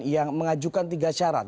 yang mengajukan tiga syarat